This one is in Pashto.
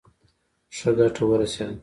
ښه ګټه ورسېده.